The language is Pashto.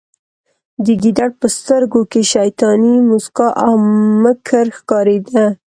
د ګیدړ په سترګو کې شیطاني موسکا او مکر ښکاریده